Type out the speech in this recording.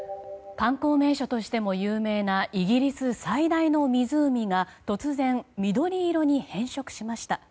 観光名所としても有名なイギリス最大の湖が突然、緑色に変色しました。